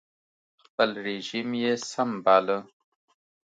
خپل رژیم یې سم باله